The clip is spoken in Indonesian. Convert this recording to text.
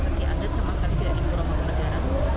jadi proses adat sama sekali tidak impor pura mangkunegaran